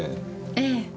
ええ。